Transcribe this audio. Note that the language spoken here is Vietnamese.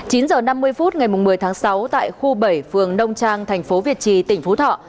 chín h năm mươi phút ngày một mươi tháng sáu tại khu bảy phường đông trang thành phố việt trì tỉnh phú thọ